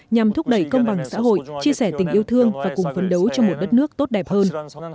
nhằm thúc đẩy công bằng xã hội chia sẻ tình yêu thương và cùng phấn đấu cho một đất nước tốt đẹp hơn